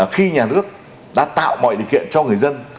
khi nhà nước đã tạo mọi điều kiện cho người dân